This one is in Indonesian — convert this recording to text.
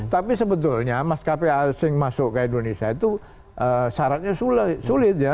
tapi sebetulnya maskapai asing masuk ke indonesia itu syaratnya sulit ya